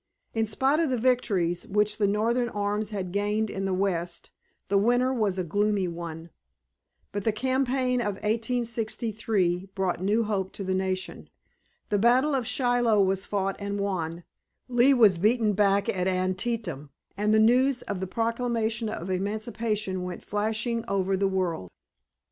In spite of the victories which the Northern arms had gained in the West the winter was a gloomy one. But the campaign of 1863 brought new hope to the nation. The battle of Shiloh was fought and won, Lee was beaten back at Antietam, and the news of the proclamation of emancipation went flashing over the world.